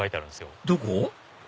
どこ？